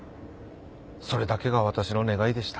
それだけが私の願いでした